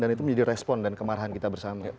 dan itu menjadi respon dan kemarahan kita bersama